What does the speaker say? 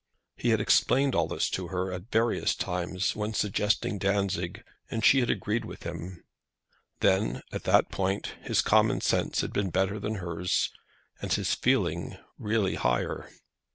He had explained all this to her at various times when suggesting Dantzic, and she had agreed with him. Then, at that point, his common sense had been better than hers, and his feeling really higher.